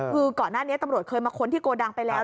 คือก่อนหน้านี้ตำรวจเคยมาค้นที่โกดังไปแล้ว